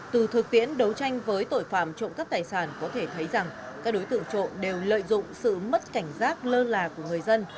từ thực tiễn đấu tranh với tội phạm trộm cắp tài sản có thể thấy rằng các đối tượng trộm đều lợi dụng sự mất cảnh giác lơ là của người dân